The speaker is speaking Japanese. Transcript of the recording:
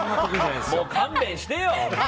もう勘弁してよ！